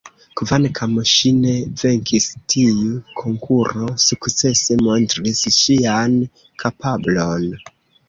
Kvankam ŝi ne venkis, tiu konkuro sukcese montris ŝian kapablon.